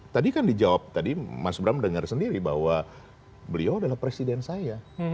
tadi kan dijawab tadi mas bram dengar sendiri bahwa beliau adalah presiden saya